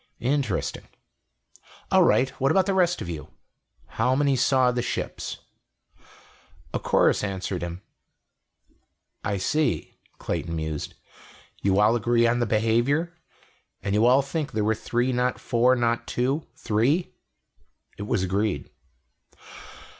"Interesting. All right, what about the rest of you? How many saw the ships?" A chorus answered him. "I see," Clayton mused. "You all agree on the behavior. And you all think there were three not four not two. Three?" It was agreed.